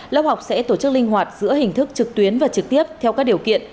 lớp học sẽ tổ chức linh hoạt giữa hình thức trực tuyến và trực tiếp theo các điều kiện